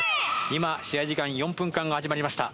今試合時間４分間が始まりました。